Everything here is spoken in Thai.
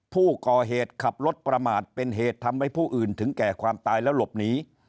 ผู้ก่อเหตุขับรถประมาทเป็นเหตุทำให้ผู้อื่นถึงแก่ความตายแล้วหลบหนี